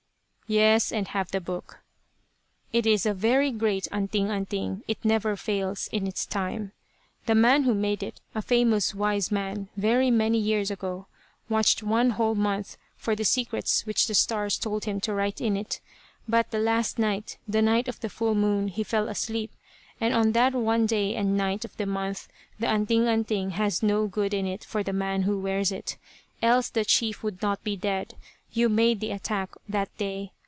"Yes; and have the book." "It is a very great 'anting anting.' It never fails in its time. The man who made it, a famous wise man, very many years ago, watched one whole month for the secrets which the stars told him to write in it; but the last night, the night of the full moon, he fell asleep, and on that one day and night of the month the 'anting anting' has no good in it for the man who wears it. Else the chief would not be dead. You made the attack, that day.